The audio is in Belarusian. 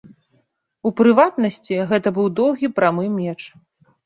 У прыватнасці, гэта быў доўгі прамы меч.